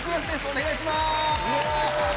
お願いします！